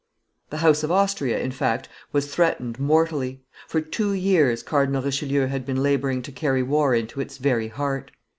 The house of Austria, in fact, was threatened mortally. For two years Cardinal Richelieu had been laboring to carry war into its very heart.